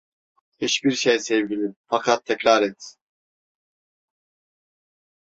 Hiçbir şey sevgilim, fakat tekrar et.